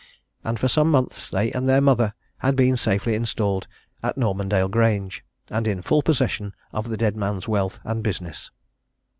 And for some months they and their mother had been safely installed at Normandale Grange, and in full possession of the dead man's wealth and business.